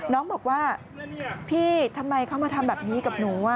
น้องบอกว่าพี่ทำไมเขามาทำแบบนี้กับหนู